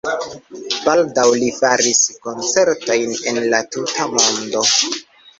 Baldaŭ li faris koncertojn en la tuta mondo.